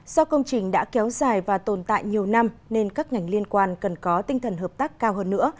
do công trình đã kéo dài và tồn tại nhiều năm nên các ngành liên quan cần có tinh thần hợp tác cao hơn nữa